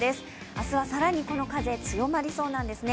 明日は更にこの風、強まりそうなんですね。